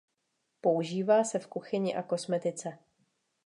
Používá se v kuchyni a kosmetice.